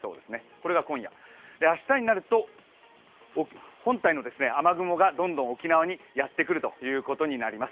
これが今夜、明日になると本体の雨雲がどんどん沖縄にやってくるということになります。